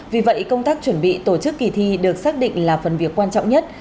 vì vậy công tác chuẩn bị tổ chức kỳ thi được xác định là phần việc quan trọng nhất